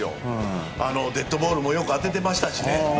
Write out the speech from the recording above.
デッドボールもよく当ててましたしね。